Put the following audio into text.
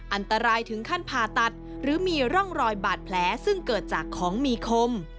อันตรายถึงขั้นผ่าตัดหรือมีร่องรอยบาดแผลซึ่งเกิดจากของมีคม